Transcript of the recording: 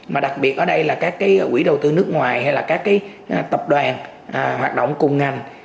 mà đặc biệt ở đây là các cái quỹ đầu tư nước ngoài hay là các cái tập đoàn hoạt động cùng ngành